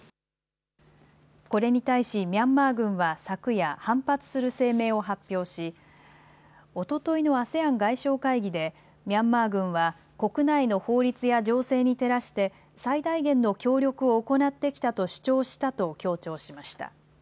これに対しミャンマー軍は昨夜、反発する声明を発表しおとといのＡＳＥＡＮ外相会議でミャンマー軍は国内の法律や情勢に照らして最大限の協力を行ってきたと主張したと強調しました。